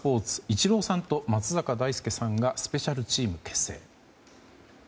イチローさんと松坂大輔さんがスペシャルチーム結成。